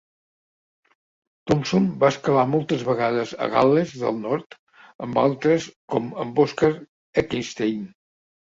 Thomson va escalar moltes vegades a Gal·les del Nord amb altres com amb Oscar Eckenstein.